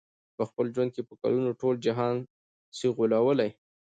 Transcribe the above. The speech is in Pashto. په خپل ژوند کي په کلونو، ټول جهان سې غولولای